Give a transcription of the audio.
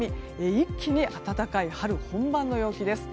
一気に暖かい春本番の陽気です。